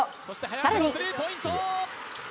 更に。